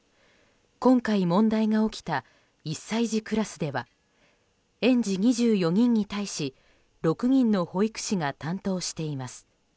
今回、問題が起きた１歳児クラスでは園児２４人に対し６人の保育士が担当しています。